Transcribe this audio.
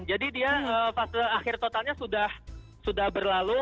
jadi dia fase akhir totalnya sudah berlalu